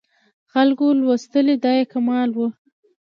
خلکو ولوستلې دا یې کمال و.